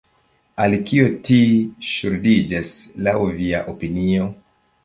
Al kio tio ŝuldiĝas, laŭ via opinio?